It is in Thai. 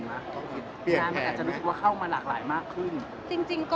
อาจจะรู้สึกเข้ามาหลากหลายมากขึ้น